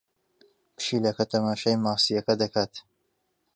پشیلەکە تەماشای ماسییەکە دەکات.